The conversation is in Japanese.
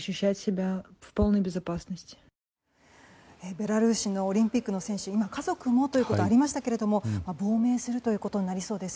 ベラルーシのオリンピックの選手家族もということがありましたけれども亡命するということになりそうです。